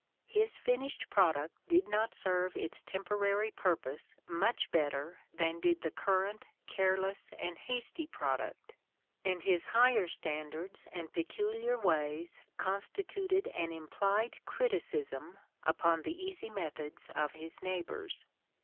His finished product did not serve its temporary purpose much bet ter than did the current careless and hasty product and his higher standards and peculiar ways constituted an implied criticism upon the easy methods of his neigh bors.